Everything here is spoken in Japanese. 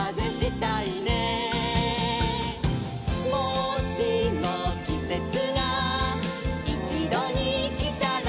「もしもきせつがいちどにきたら」